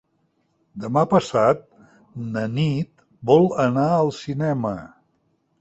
Demà passat na Nit vol anar al cinema.